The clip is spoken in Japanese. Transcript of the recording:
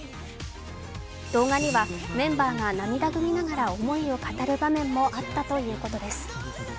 動画には、メンバーが涙ぐみながら思いを語る場面もあったということです。